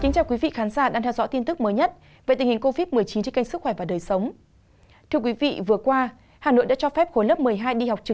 cảm ơn các bạn đã theo dõi